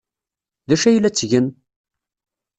D acu ay la ttgen?